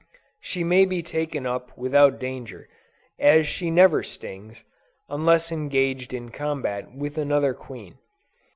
She may be taken up without danger, as she never stings, unless engaged in combat with another queen.